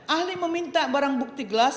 ahli meminta barang bukti gelas